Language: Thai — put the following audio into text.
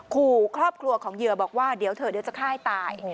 ขู่ครอบครัวของเหยื่อบอกว่าเดี๋ยวเถอะเดี๋ยวจะฆ่าให้ตาย